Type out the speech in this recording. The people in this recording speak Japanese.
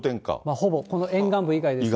ほぼ、この沿岸部以外ですね。